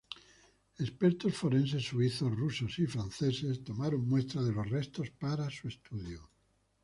Expertos forenses suizos, rusos y franceses tomaron muestras de los restos para su estudio.